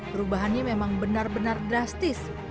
perubahannya memang benar benar drastis